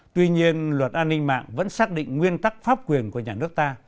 tuy nhiên luật an ninh mạng vẫn xác định nguyên tắc pháp quyền của nhà nước ta